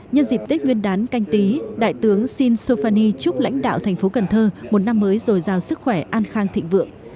nhân dịp tết nguyên đán canh tí đại tướng shin sofani chúc lãnh đạo tp cần thơ một năm mới rồi giao sức khỏe an khang thịnh vượng